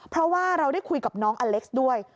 เพราะว่าเราได้คุยกับน้องอเล็กซ์ด้วย